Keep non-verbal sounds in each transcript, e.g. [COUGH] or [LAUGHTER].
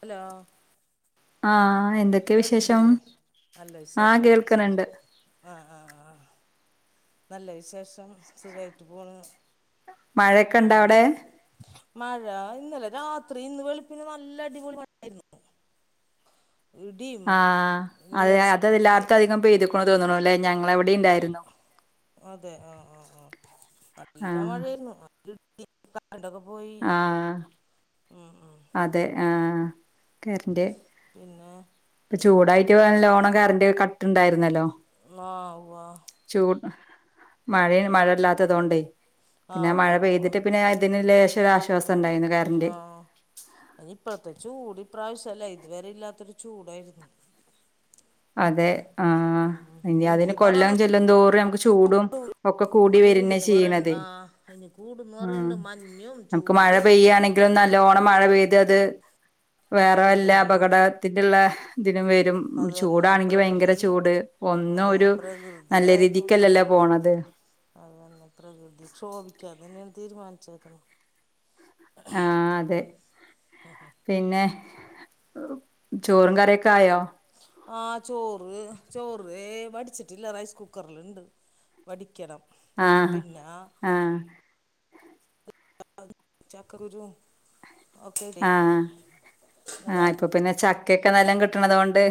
Hello ആ കേൾക്കുന്നില്ലേ അല്ല ആഹ് വിശേഷം കേൾക്ക്ന്ന്ണ്ട് ആ ആഹ ആ നല്ല വിശേഷം സുഖമായിട്ടു പോണ് മഴയൊക്കെ ഇണ്ടാ ഉം അവിടെ മഴ ഇന്നലെ രാത്രി ഇന്ന് വെളിപ്പിന് നല്ല അടിപൊളി മഴയായിരുന്നു ഇടിയും ആ അത അത മിന്നർച്ചയൊക്കെ എല്ലാർത്തും അധികം പെയ്തിക്കണ തോന്നണ അല്ലേ ഞങ്ങള അവിടെയിണ്ടായിരുന്നു അതെ ആ ആ ആ നല്ല ആഹ് മഴയായിരുന്നു നല്ല [INAUDIBLE] കറണ്ടൊക്കെ പോയി ആഹ് ഉം ഉം അതെ ആ കറൻ്റ് പിന്നെ ഇപ്പൊ ചൂടായിട്ട് [UNINTELLIGIBLE] നല്ലോണം കറൻ്റ് ക ട്ടുണ്ടായിരുന്നല്ലോ ആ ഉവ്വ ചൂട്- മഴയെ മഴയില്ലാത്തതുകൊണ്ടെ ആ പിന്നെ മഴ ഉവ്വ ഉവ്വ പെയ്തിട്ട് പിന്നെ ഇതിന് ലേശമോരു ആശ്വാസം ഉണ്ടായിരുന്നു കറൻ്റ് അതിപ്പഴത്തേ ചൂടി- ഈ പ്രാവിശ്യലേ ഇതുവരെ ഇല്ലാത്തൊരു ചൂടായിരുന്നു അതെ ആ ഉം ഉം ഇനി അതിന് എനിക്ക് പറയണ കൊല്ലം ചെല്ലുന്തോറും നമുക്ക് ചൂടും ഒക്കെ കൂടി വരുനേ കൂടെന്ന് പറയണ്ട ചെയ്യണത് ആ ഇനി കൂടെന്ന് ഉം പറയണ്ട മഞ്ഞും നമുക്ക് മഴ ചൂടും പെയ്യാണെങ്കിലും നല്ലോണം മഴ പെയ തെയതെ വേറെ വല്ല അതന്നെ അപകടത്തിള്ള [UNINTELLIGIBLE] വരും ന്നെ പ്രകൃതി ചൂട് ഒന്നും അതേ ഒരു പ്രകൃതി നല്ല [UNINTELLIGIBLE] ലും രീതിക്കല്ലല്ലോ പോണത് അതെന്നെ പ്രകൃതിക്ഷോഭിക്കാ തീരുമാനിച്ചേക്കുന്നേ ആ അതെ പിന്നെ ചോറും കറിയൊക്കെ ആയോ ആ ചോറ് ചോറെ വടിച്ചട്ടില്ല റൈസ് കുക്കറിലുണ്ട് വടിക്കണം ആ പിന്നെ ആ [INAUDIBLE] ചക്കക്കുരുവും ആ ആ ഇങ്ങനെ ഇപ്പൊ പിന്നെ ചക്ക ചക്കയൊക്കെ നല്ലോണം കിട്ടണതുകൊണ്ട്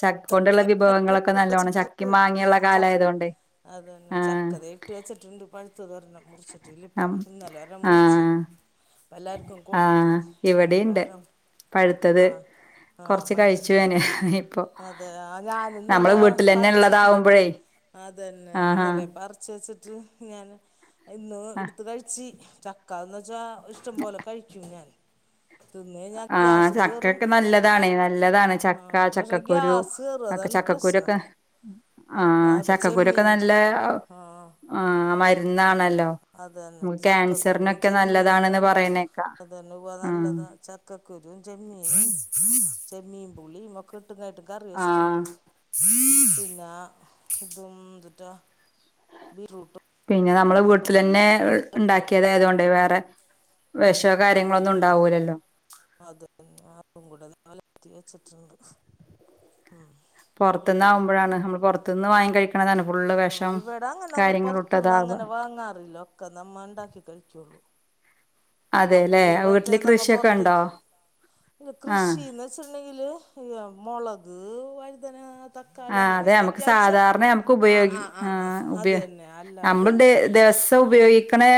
ചക്ക കൊണ്ടുള്ള വിഭവങ്ങളൊക്കെ നല്ലോണം വെച്ചിട്ട് ചക്കയും ആ മാങ്ങയുള്ള ചക്ക കാലായതുകൊണ്ടെ അതന്നെ ആ മുറിച്ചി ട്ടില്ലിപ്പോ ഇന്നല്ലേ ഒരെണ്ണം മുറിച്ച് അപ്പോ എല്ലാർക്കും കൊടുത്തു ആഹ് ഇന്നിപ്പോ ഇവിടെണ്ട് ഒരെണ്ണം ആ പഴുത്തത് ആ കൊറച്ച് കഴിച്ചു പഴുത്തിട്ടുണ്ട് ഞാന് ഇപ്പൊ അതെ നമ്മള് ഞാനിന്നലെ വീട്ടിലന്നെ പറിച്ചിട്ട് ഇള്ളതാവുമ്പഴേ അത് തന്നേ ആഹാ ഇന്നലെ പറിച്ച് വെച്ചിട്ട് ഞാന് ഇന്ന് ആഹ് എടുത്ത് കഴിച്ചി ചക്കാന്ന് വെച്ചാ ഇഷ്ടംപോലെ കഴിക്കും ഞാൻ തിന്ന് കഴിഞ്ഞാൽ ആ ഗ്യാസും കയറും ചക്കയൊക്കെ നല്ലതാണ് നല്ലതാണ് ആ ചക്ക പക്ഷെ ചക്കക്കുരു ഗ്യാസ് കയറും ഒക്കെ അതാണ് ചക്കക്കുരു പ്രശ്നം ഒക്കെ ആ ഇപ്പൊ ചക്കക്കുരു ഒക്കെ നല്ല ചെമ്മീനും ആ ആ മയ എന്നാണല്ലോ അതന്നെ നമ്മക്ക് ചക്കക്കുരും കാൻസറിനൊക്കെ ചെമ്മീനും നല്ലതാണന്ന് പറയുന്ന കേക്കാം ഉം ക്കക്കുരും ചെമ്മീനും ചെമ്മീം പുളീമൊക്ക ട്ട്കാട്ട് കറി വെച്ചിട്ടുണ്ട് ആഹ് പിന്നാ തും ന്തുട്ട ബിട്രൂ പിന്നെ നമ്മള് വി ത്തിലന്നെ ണ്ടാക്കിയതായതുകൊണ്ട് വേറെ വെഷെ കാര്യങ്ങളൊന്നും അതന്നെ ഉണ്ടാവൂലല്ലോ. ഞാൻ ഒലത്തി വെച്ചിട്ടുണ്ട് ഉം. പൊറത്ത്ന്നാവുമ്പഴാണ് നമ്മ പൊറത്തുന്ന് വാങ്ങി കഴിക്ക ആ ഇവിടങ്ങനൊന്നും കാര്യങ്ങളിട്ടതാവുക പൊറത്ത്ന്ന്ങ്ങനെ വാങ്ങാറില്ല ഒക്കെ നമ്മ ഇണ്ടാക്കി കഴിക്കൊള്ളൂ. അതെല്ലേ അപൂർവൊക്കെ വീട്ടില് നമ്മ കൃഷിയൊക്കെ ഉണ്ടോ പൊറത്തേക്ക് ആഹ് കൃഷിന്ന് വെച്ചിട്ടുണ്ടെങ്കില് യം മൊളക് വഴുതനാ ആ അതെ മ്മക്ക് സാധാരണ നമുക്ക് ആ ഉപയോഗി ആ അത് ഉപയ തന്നെ അല്ലാണ്ട് നമ്മൾടെ ദിവസം ഉപയോഗിക്ക്ണേ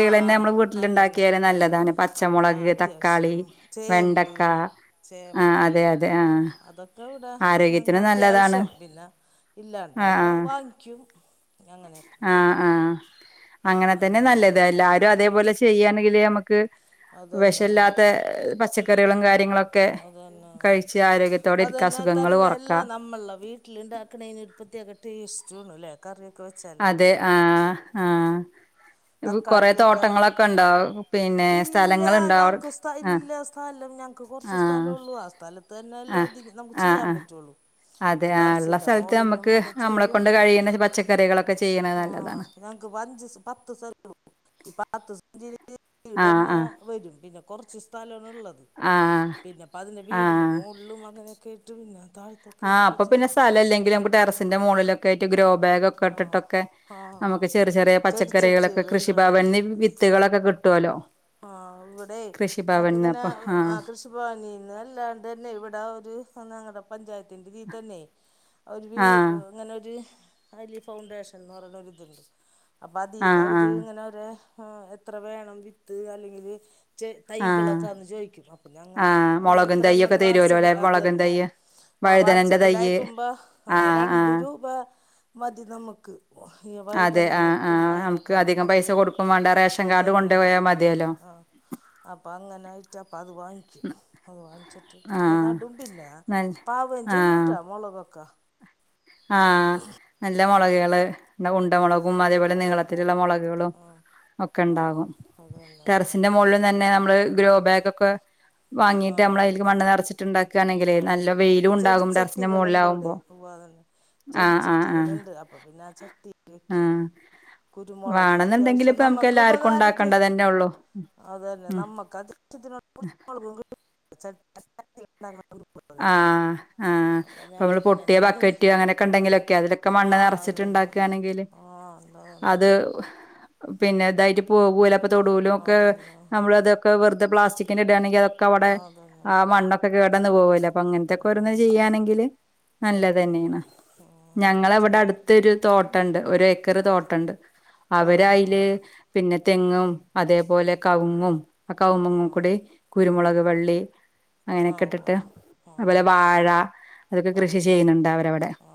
ആ ആ നമ്മൾ അതന്നെ വീട്ടിലിണ്ടാക്കിയാല് ആ നല്ലതാണ് അത്യ ആ പച്ചമൊളക് തക്കാളി അത്യാവശ്യം ചേമ്പ് വെണ്ടക്കാ അ ചേമ്പൊക്കെ അതെ അതെ ആ ആരോഗ്യ മ് അത്യാവിശ്യം പിന്നെ ആഹ് ഇല്ലാണ്ടാവുമ്പോ ആഹ് വാങ്ങിക്കും അങ്ങനെക്കെ. അങ്ങനെതന്നെ നല്ലത് എല്ലാരും അതേപോലെ ചെയ്യാണ്ടെങ്കിൽ നമക്ക് അതന്നെ വെഷല്ലാത്തെ പച്ചക്കറികളും കാര്യങ്ങളൊക്കെ അതന്നെ കഴിച്ച് ആരോഗ്യത്തോടെരിക്കാ അസുഖങ്ങൾ കൊറക് ല നമ്മള്ള വീട്ടില്ണ്ടാക്ക്ണീന് പ്രത്യേക ടേസ്റ്ററാണ് ല്ലേക്കാര് അതെ ആ ആ ഇത് കൊറേ തക്കാളിക്കൊക്കെ തോട്ടങ്ങളൊക്കെണ്ടോ പിന്നെ ഇല്ല സ്ഥലങ്ങുണ്ടാവട് അ ക് കൊറച്ച് സ്ഥലള്ളൂ ആ സ്ഥലത്തന്നെല്ലേ ആഹ് നമക്ക് ആഹ് ആഹ് ചെയ്യാൻപറ്റുള്ളൂ അതെ പ്പ ആഹ് ഇള്ള ട്ടെറസിൻ്റെ സ്ഥലത്ത് മോളിലും നമ്മക്ക് നമ്മളെ ഒക്കെചെയ്യും കൊണ്ട് ആ കഴിയ്ണ പച്ചക്കറികളൊക്കെ ചെയ്യ്ണത് ആ നല്ലതാണ് ഞങ്ങക്കഞ്ച് പത്ത്സെൻ്റ് ഇ പത്ത് സെൻ്റീല് ആഹ് വീടന്നെ ആഹ് വരും പിന്നെ കൊറച്ച് സ്ഥലം ള്ളത് ആഹ് പിന്ന പതിന്റെ വീടിൻ്റെ ആഹ് മോളിലും അങ്ങനെ കേറ്റ്നില്ലാ ആഹ് അപ്പ പിന്നെ സ്ഥലമില്ലെങ്കില് നമുക്ക് ടെറസിന്റെ മുകളിലൊക്കെ ആയിട്ട് ഗ്രോ ബാഗ് ആ കട്ടിട്ടൊക്കെ ആ ആ നമുക്ക് ചെറ് ചെറിയ പച്ചക്കറികളൊക്കെ കൃഷി ചെടിച്ചട്ടികളുണ്ട് ഭവനിൽ നിന്ന് വിത്ത് ചെടികളൊക്കെ കിട്ടുവല്ലോ ആ ഇവ്ടെ കൃഷിഭവനിന്ന് ഞങ്‌ക്ക്ന്നല അപ്പൊ വ് ആഹ് ആകൃഷ്‌വാണീന്നല്ലാണ്ട് അന്നെ ഇവ്ട ഒര് ഒന്നാം കടം പഞ്ചായ രിന്തിതീതന്നെ ഒര് വീട് ആഹ് [UNINTELLIGIBLE] ഇങ്ങനൊര് അലി ഫൗണ്ടേഷൻ എന്ന് പറയണൊര് ഇതുണ്ട്. അപ്പൊ അതീന്ന് ആഹ് അവര് ആഹ് ഇങ്ങനെ ഒര് ആ എത്ര വേണം വി ത് അല്ലങ്കില് ചെ ആഹ് തൈകളൊക്ക വന്ന് ചോയിക്ക്മ്പം പിന്ന അങ്ങ ആഹ് അങ്ങന മുളകും ഇത്രണ്ണം തൈയ്യൊക്കെ എന്ന് വാട്സ് തരുവല്ലോ അല്ലെ അപ്പില് അത് മുളകും അന്നെ. തൈയ്യ് വാ വാട്സ് വഴുതനന്റെ അപ്പില് തൈയ്യ് അയക്കുമ്പ ആ ആഹ് രണ്ട് ആഹ് രൂപ മതി നമുക്ക് ഈ അതെ ആ ആ വഴുതനങ്ങക്കും നമുക്ക് അതിനൊക്കെ അപ്പം അധികം രണ്ട് പൈസ കൊടുക്കും വേണ്ട റേഷൻ കാർഡ് കൊണ്ട് പോയാമതി. ആ അപ്പൊ അങ്ങനായിട്ട് അ പതിവായിക്ക് അത് വാങ്ങ്ച്ചിട്ട് [UNINTELLIGIBLE] പാകം ചെയ്യൂട്ടാ മൊളകക്ക അത് വാങ്ങിച്ചിട്ട് ഒക്കെ ആഹ് നടും പിന്നെ നൽ പാവം ആഹ് ചെയ്യൂട്ടാ മുളകൊക്കെ ആഹ് അൽ നല്ല മൊളകേള് പ്ന്ന ഉണ്ട മൊള ഉമ്മാതിവ്ടന്നെ അത് തന്നെ ഞങ്ങളത്തിരി ഒള്ള മൊളക് ആഹ് [UNINTELLIGIBLE] ഒക്കെ ആഹ് ഇണ്ടാവും അത് തന്നെ ടെറസിന്റെ മോളില് തന്നെ നമ്മള് അപ്പൊ ഗ്രോ ബേഗൊക്കെ വാങ്ങിയിട്ട് ആഹ് നമ്മളതിൽക്ക് അതന്നെ മണ്ണ് നെറച്ചിട്ട് ഇണ്ടാക്കാണങ്കില് ആഹ് നല്ല ഇതിപ്പോ വെയിലും ഒണ്ടാകും ടെറസിൻ്റെ മോളിലാവുമ്പോ ചെടിച്ചട്ടികള് ഇണ്ട്. അപ്പ പിന്ന ചട്ണി നിക്കും. ആഹ് കുരുമൊളക് വേണെന്നുണ്ടെങ്കിൽ അത്യാവശ്യം ഇപ്പ നമുക്ക് നമ്മക്ക് എല്ലാർക്കും ഉപകാരത്ത് ഉണ്ടാക്കേണ്ടത് തന്നെ ഉള്ളൂ അത് തന്നെ നമ്മക്ക് അത്യാ [UNINTELLIGIBLE] ച [INAUDIBLE] ആ ആ ഞാൻ അവിടെ പൊട്ടിയ എൻ്റെ മൂന്ന് ബക്കറ്റ് അങ്ങനൊക്കെ ഒണ്ടെങ്കിലൊക്കെ ക്ക് മണ്ണ് ആഹ് അത് തന്നെ നെറച്ചിറ്റിണ്ടാക്ക് ആണെങ്കില് ആഹ് അതന്നെ അത് ഉഹ് പിന്നെ ഇതായിട്ട് പോവോ തൊടൂലും ഒക്കെ അതന്നെ നമ്മളതൊക്കെ ഇത് പ്ലാസ്റ്റിക്കിൻന്റ ഇട് ആണങ്കി അത് ക്ക് അവടെ അതന്നെ ആ മണ്ണൊക്കെ കെടന്ന് പോകും എപ്പൊ അങ്ങ്നത്തെക്കെ ഓരോന്ന് ചെയ്യാണങ്കില് നല്ലത് അതന്നെ തന്നേണ്. ആഹ് അങ്ങനെയൊക്കെ ഞങ്ങളവിട ചെയ്യാറുണ്ട് അട്ത്തൊര് തോട്ടം ഇണ്ട്. ഒരേക്കറ് തോട്ടം ഇണ്ട്. ആഹ് അവരയില് ആഹ് പിന്നെ തെ തെങ്ങും അതേപോലെ കവുങ്ങും അ കവുമുങ്ങും ആഹ് കൂടി ആഹ് ആഹ് കുരുമൊളക് വെള്ളി അങ്ങനെക്കെ ആഹ് ഉവ്വ ഇട്ടിട്ട് അതുപോലെ വാഴ അതൊക്കെ ആ, കൃഷി ചെയ്യുന്നുണ്ട് അവരവിടെ ആ,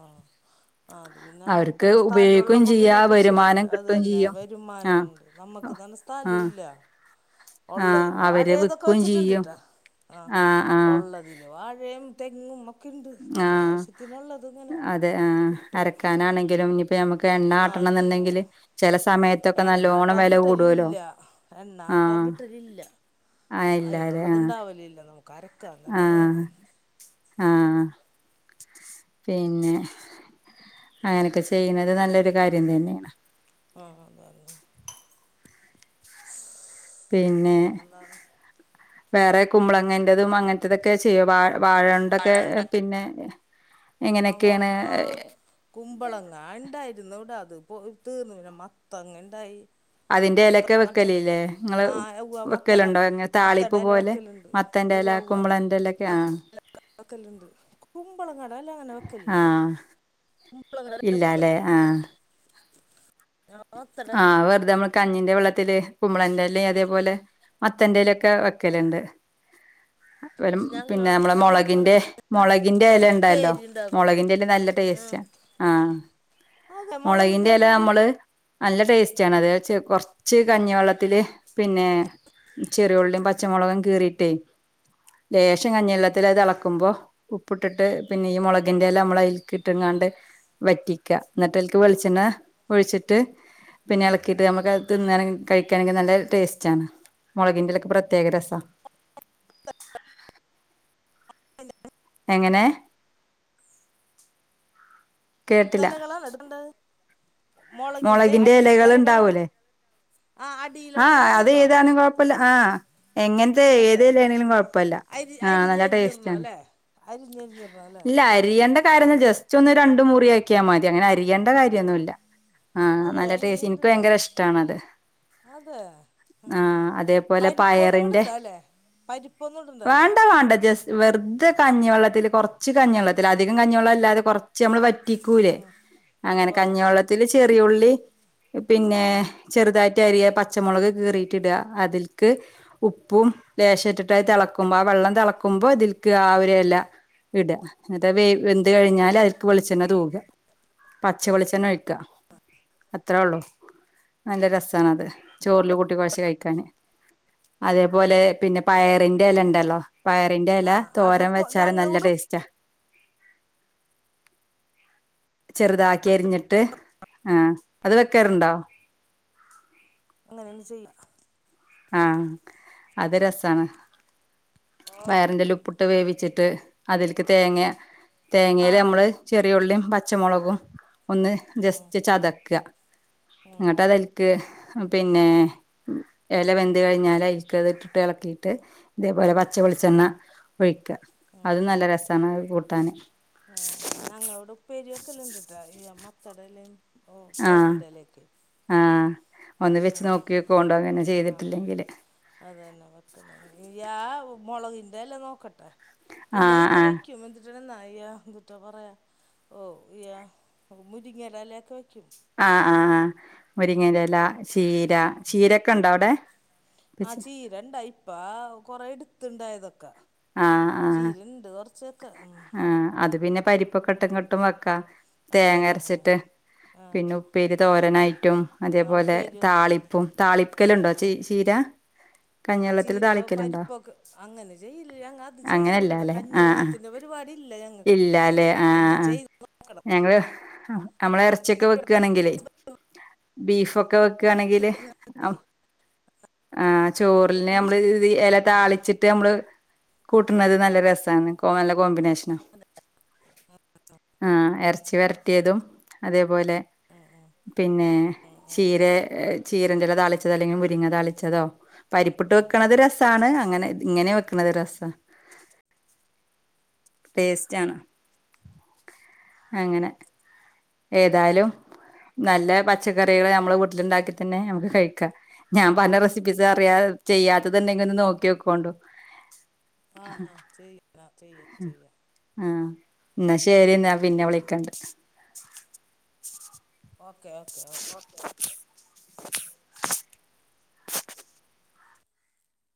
ആ അത് പിന്നെ അവർക്ക് ഇത്രയും സ്ഥല ഉപയോഗിക്കുകയും ഉള്ളപ്പോ ചെയ്യാ പിന്നെ കൃഷി വരുമാനം ചെയ്യാലോ അത് കിട്ടുകയും തന്നെ ചെയ്യും ആഹ് വരുമാനമുണ്ട്, നമ്മുക്ക് നല്ലസ്ഥലം ആഹ് ഇല്ല. ആഹ് ഉള്ളേല്‌ അവര് വാഴേ, അതൊക്കെ വിൽക്കുകയും ചെയ്യും വെച്ചിട്ടുണ്ടിട്ടോ, ആ ആഹ് ആഹ് ഉള്ളതിൽ വാഴയും തെങ്ങും മൊക്കെ ആ, അതെ ആ, കിട്ടും ഉം അരക്കാനാണെങ്കിലും ഇപ്പൊ ഞമ്മുക്ക് എണ്ണ ആഹ് ആട്ടണം അതന്നെ എന്നുണ്ടെങ്കില് ചില സമ എണ്ണാട്ടാൻ കിട്ടലില്ല, എണ്ണാട്ടാൻ ആഹ് കിട്ടലില്ല ആഹ് ഇല്ലാലെ അയിനുള്ളത് ആഹ് ഉണ്ടാവില്ലല്ലോ. കരക്കങ്ങനേ വേണം. ആ പിന്നെ അങ്ങനൊക്കെ ചെയ്യുന്നത് നല്ലൊരു കാര്യം തന്നെയാണ്. ഉം, ഉം, ഉം, ഉം പിന്നെ വേറെ കുമ്പളങ്ങേന്റതും അങ്ങനത്തതൊക്കെ ചെയ്യാവാ വാഴണ്ടൊക്കെ പിന്നെ ആവോ, എങ്ങനെയൊക്കെയാണ് ആ കുമ്പളങ്ങ ഉണ്ടായിരുന്നു ഇവിടെ ഇത്‌ പോയിട്ട് പിന്നെ മത്തങ്ങ ഉണ്ടായി. അതിൻറെ മത്ത ഇലൊക്കെ നട്ട വെക്കലില്ലേ? നിങ്ങള് ആ യവ്വ മത്തട വെക്കലുണ്ടോ? ഇങ്ങനെ മത്തട താളിപ്പ് ഇല പോലെ, വെക്കലുണ്ട് അവ്വ മത്തന്റെല അവ്വ കുമ്പളന്റെ ല, ഒക്കെ, ആ മത്തട അല്ല അങ്ങനെ വെക്കലില്ല കുമ്പളങ്ങട ഇല ഇലാ വെക്കൂല ല്ലേ, ആ മത്തട ആ, വെറുതെ നമ്മ കഞ്ഞിന്റെ വെള്ളത്തില് കുമ്പളന്റെല അതേപോലെ മത്തന്റെല, ഒക്കെ വെക്കലുണ്ട്. പക്ഷെ ഞങ്ങ പിന്നെ നമ്മെടെ, മൊളകിന്റെ, മൊളകിന്റെ ഇല ഉണ്ടല്ലോ ഉപ്പേരി ഉണ്ടാക്കും മൊളകിന്റെ എല്ല നല്ല ഉം ടേസ്റ്റാ, ആ അതെ മുളകിന്റെ മൊളകിന്റെ ഇല എന്ത് ചെയ്യും നമ്മള്. നല്ല ടേസ്റ്റ് ആണ് അത്, കൊറച്ച് കഞ്ഞിവെള്ളത്തില് പിന്നെ ചെറിയ യുള്ളിയും, പച്ചമുളകും കീറിട്ടേ ലേശം, കഞ്ഞി വെള്ളത്തിൽ അത് തിളക്കുമ്പോ ഉപ്പിട്ടിട്ട് പിന്നെ ഈ മൊളകിന്റെ എല നമ്മളതിലേക്ക് ഇട്ടങ്ങാണ്ട് വറ്റിക്ക, എന്നിട്ട് അതിലക്ക് വെളിച്ചെണ്ണ ഒഴിച്ചിട്ട് പിന്നെ ഇളക്കിട്ട് [UNINTELLIGIBLE] എനിക്കണെങ്കിൽ നല്ല ടേസ്റ്റ് ആണ്. മുളകിന്റെലൊക്കെ പ്രത്യേക രസാ എങ്ങനെ [UNINTELLIGIBLE] മുളകിന്റെ മൊളകിന്റെ അടിയിൽ എലകൾ തലകളാണ് ഉണ്ടാവൂലേ, ആ ആ അടിയിലുള്ള ഇലകളാണോ അതേതാണെങ്കിലും കുഴപ്പില്ല, ആ എങ്ങനത്തെ അതെ ഏതലയാണെങ്കിലും കുഴപ്പില്ല, അരി നല്ല ടേസ്റ്റ് അരിഞ്ഞരിഞ്ഞിടണം ആണ്. അല്ലേ അരിഞ്ഞരിഞ്ഞിടണം അല്ലേ ഇല്ല അരിയുണ്ട [UNINTELLIGIBLE] ജസ്റ്റ് ഒന്ന് രണ്ടു മുറിയക്കിയാ മതി അങ്ങനെ അരിയേണ്ട അതെ കാര്യമൊന്നുമില്ല ആ അതെ നല്ല ടേസ്റ്റ്, എനിക്ക് അങ്ങനെയുണ്ടല്ലേ ഭയങ്കര ഇഷ്ടാണത്, അതെ ആ, അത്പോലെ പരിപ്പൊന്നും പയറിന്റെ, ഇടണ്ട അല്ലേ പരിപ്പൊന്നും ഇടണ്ട അല്ലേ വേണ്ട വേണ്ട ജസ്റ്റ് വെറുതെ കഞ്ഞിവെള്ളത്തിൽ കുറച്ച് കഞ്ഞിവെള്ളത്തിൽ അധികം കഞ്ഞിവെള്ളം അല്ലാതെ കുറച്ച് നമ്മള് [UNINTELLIGIBLE] അങ്ങനെ ഉവ്വ ഉവ്വ കഞ്ഞിവെള്ള ചെറിയുള്ളി പിന്നെ ചെറുതായിട്ട് അരിയ പച്ചമുളക് കീറിട്ട് ഇട അതിൽക്ക് ഉപ്പും ലേശട്ട് ട്ട് അത് തേളക്കുമ്പോ ആ വെള്ളം തെ ളക്കുമ്പോ തിൽക്ക് ആ ഒരെല ഇട് അ നിട്ടത് വേ വേന്ത് കഴിഞ്ഞാൽ ആയിക് വേ ചെന്നതു കെ പച്ചവെളിച്ചെണ്ണ ഒഴി ക്കഅത്രേ ഉള്ളൂ നല്ല രസാണത് ചോറിൽ കൂട്ടി കൊഴച്ച് കഴിക്കാന് അതേപോലെ പിന്നെ പയറിന്റെ എ ലണ്ടല്ലോ പയറിന്റെ ഇല ആ തോരം അതൊക്കെ വെച്ചാലും ഞങ്ങ നല്ല ഇടും ടേസ്റ്റാ ചെറുതാക്കി അരിഞ്ഞിട്ട് ആഹ അത് വെക്കാറുണ്ടോ അങ്ങനെയെന്ന് ചെയ്യാം ആഹ അത് രസമാണ് ഓ വയറിന്റെലുപ്പു ട്ട്ട് ഇട്ട് വേവിച്ചിട്ട് അതിൽക്ക് തേങ്ങ ആ തേങ്ങേൽ നമ്മള് ചെറിയ ഉള്ളീം പച്ചമുളകും ഒന്ന് ഉം ജസ്റ്റ് ചതക്യ ഉം ഇങ്ങട്ട് അതൽ ക്ക് പിന്നെ ഇല വെന്ത് കഴിഞ്ഞാല് അയിക്ക് തിട്ടിട്ട് ഇളക്കിയിട്ട് ഇതേപോലെ പച്ചവെളിച്ചെണ്ണ ഒഴിക്ക്യ അത് നല്ല രസമാണ് അത് കൂട്ടാന് മ് മ് ആ ഞങ്ങള ടെ ഉപ്പേരിയ ഒക്കെല്ല ഇണ്ടിട്ടാ ഈ ത്തെ ടല ആഹ ആഹ ഉ ആഹ ചെയ്തിട്ടില്ലെങ്കില് അതന്നെ വെക്കണ [UNINTELLIGIBLE] മുളകിന്റെല്ല നോക്കട്ടെ പിന്നെ ആഹ് ഇത് ആഹ് വെക്യും [UNINTELLIGIBLE] യ എന്തുട്ടാ പറയാ ഓ യ മുരിങ്ങലെഎല ഒക്കെ വെകും ആ ആ മുരിങ്ങന്റെല ചീര ചീരൊക്കെ ഉണ്ടോ ഉം അവിടെ ആ ത് ണ്ടായതൊക്കെ ആ ആ ചക്ക ഉം പിന്നെ പരിപ്പൊക്കെട്ട് ങ്ങട്ടും വെക്കാം അത് തന്നെ തേങ്ങരച്ചിട്ട് ആ പിന്നെ ഉപ്പേരി തോര [UNINTELLIGIBLE] റ്റും ആ അതേപോലെ ഉപ്പേരി വെക്കും താളിപ്പും താളിപ്പ്ക്കലുണ്ടോ ചീ ഉം ചീര ആ കഞ്യള്ളത്തിൽ ചീര താളിക്കല് ഇണ്ടോ പരിപ്പൊക്കെ അങ്ങനെ ചെയ്യില്ല ഞങ്ങൾ അത് അങ്ങനെയല്ല ചെയ്യില്ലടാ ലെ കഞ്ഞി ആ വെള്ളത്തിന്റെ പരിപാടി ഇല്ല ഞങ്ങൾക്ക് ഇല്ല അല്ലേ ആ ഇനി ആ ചെയ്ത് നോക്കണം ഞങ്ങള് നമ്മള് എറച്ചിയൊക്കെ വെക്കാണെങ്കിലേ ബീഫ് ഒക്കെ വെ ക്കണെങ്കില് അമ് ആ ചോറിലെ നമ്മള് ഇ ഇല താളിച്ചിട്ട് നമ്മള് കൂട്ടുന്നത് നല്ല രസആണ് [UNINTELLIGIBLE] കൊമ്പിനേഷനാ ആ ച്ചി വരട്ടിയതും അതേപോലെ ഉം, ഉം, പിന്നെ ഉം, ഉം. ചീര ചീരറ്റല താളിച്ചത് അല്ലെങ്കി മുരിങ്ങ താളിച്ചതോ പരിപ്പിട്ട് വെക്കണത് രസമാണ് അങ്ങനെ ഇങ്ങനെ വെക്കണത് രസ പേസ്റ്റ് ആണ് അങ്ങനെ ഏതായാലും നല്ല പച്ചക്കറികൾ നമ്മളെ വീട്ടിലുണ്ടാക്കി തന്നെ നമക്ക് കഴിക്കാ ഞാൻ പല റെസിപ്പീസ് അറിയാ ചെയ്യാത്തത്ണ്ടെങ്കിൽ ഒന്ന് നോക്കി കൊണ്ടു ആഹാ ചെയ്യാം ചെയ്യാം ചെയ്യാം ആ എന്നാ ശരി ന്നാ പിന്നെ വിളിക്കണ്ട് ഓക്കെ ഓക്കെ ഓക്കെ മസ്